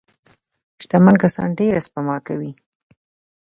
شتمن کسان ډېره سپما کوي.